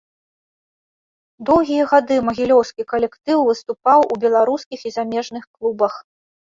Доўгія гады магілёўскі калектыў выступаў у беларускіх і замежных клубах.